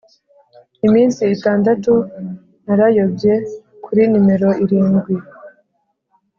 iminsi itandatu narayobye, - kuri nimero irindwi